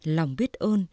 lòng biết ơn